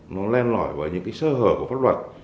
nó len lõi vào những sơ hở của pháp luật